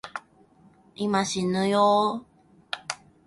今、しぬよぉ